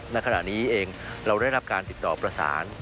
ณขณะนี้เองเราได้รับการติดต่อประสาน